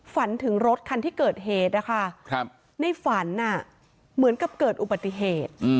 ฝันถึงรถคันที่เกิดเหตุนะคะในฝันเหมือนกับเกิดอุบัติเหตุ